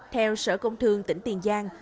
theo sở công thương tỉnh tiền giang